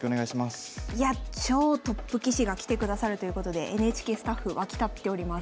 いや超トップ棋士が来てくださるということでＮＨＫスタッフ沸き立っております。